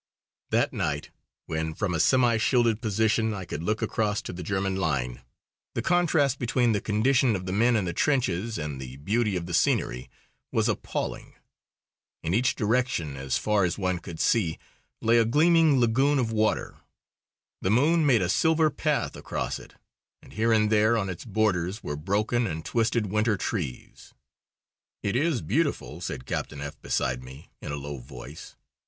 That night, when from a semi shielded position I could look across to the German line, the contrast between the condition of the men in the trenches and the beauty of the scenery was appalling. In each direction, as far as one could see, lay a gleaming lagoon of water. The moon made a silver path across it, and here and there on its borders were broken and twisted winter trees. "It is beautiful," said Captain F , beside me, in a low voice.